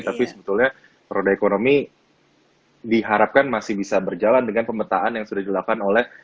tapi sebetulnya roda ekonomi diharapkan masih bisa berjalan dengan pemetaan yang sudah dilakukan oleh